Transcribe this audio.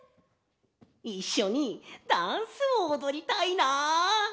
いっしょにダンスをおどりたいな！